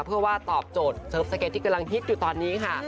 เพื่อว่าตอบโจทย์เสิร์ฟสเก็ตที่กำลังฮิตอยู่ตอนนี้ค่ะ